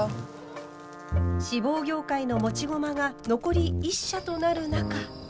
志望業界の持ち駒が残り１社となる中。